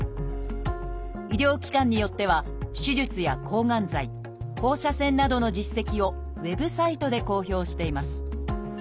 医療機関によっては手術や抗がん剤放射線などの実績をウェブサイトで公表しています。